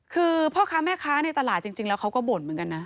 คือพ่อค้าแม่ค้าในตลาดจริงแล้วเขาก็บ่นเหมือนกันนะ